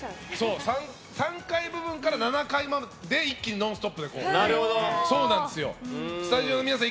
３階部分から７階まで一気にノンストップですがスタジオの皆さん